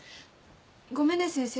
ごめんね先生